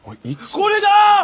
これだ！